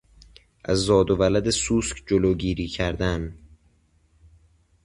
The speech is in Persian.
از زاد و ولد سوسک جلوگیری کردن